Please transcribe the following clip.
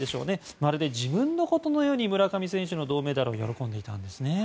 まるで自分のことのように村上選手の銅メダルを喜んでいたんですね。